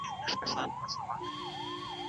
لاس لیکنه د وخت تنظیمول هم زده کوي.